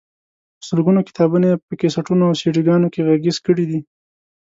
په سلګونو کتابونه یې په کیسټونو او سیډيګانو کې غږیز کړي دي.